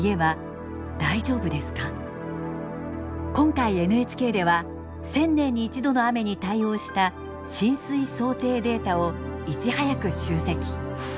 今回ＮＨＫでは１０００年に１度の雨に対応した浸水想定データをいち早く集積。